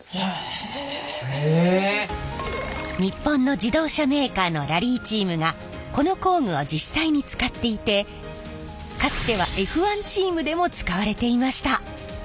日本の自動車メーカーのラリーチームがこの工具を実際に使っていてかつてはＦ１チームでも使われていました。